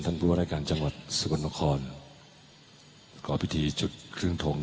ทุกอย่างสุข